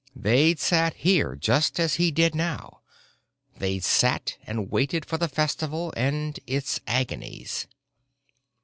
They'd sat here, just as he did now, they'd sat and waited for the festival and its agonies....